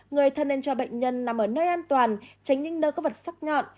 người thân nên cho bệnh nhân nằm ở nơi an toàn tránh những nơi có vật sắc nhọn